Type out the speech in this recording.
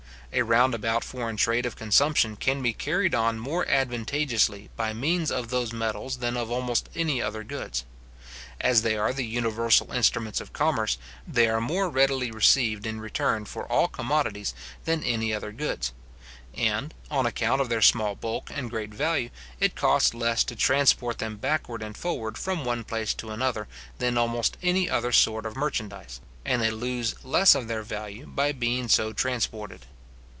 A round about foreign trade of consumption can be carried on more advantageously by means of these metals than of almost any other goods. As they are the universal instruments of commerce, they are more readily received in return for all commodities than any other goods; and, on account of their small bulk and great value, it costs less to transport them backward and forward from one place to another than almost any other sort of merchandize, and they lose less of their value by being so transported.